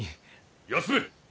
休め。